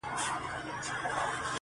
o او ډېر فکر کوي هره ورځ,